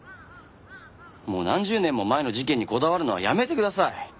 もう何十年も前の事件にこだわるのはやめてください！